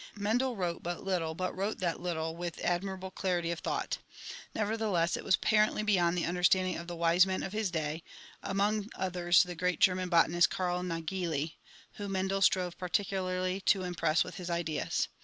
Mendel wrote but little but wrote that little with admirable clarity of thought; nevertheless it was apparently beyond the understanding of the "wise men" of his day, among others the great German botanist, Karl Naegeli, whom Mendel strove particularly to im press with his ideas.